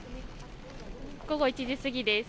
午後１時過ぎです。